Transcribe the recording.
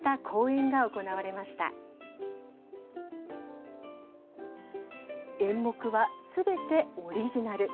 演目はすべてオリジナル。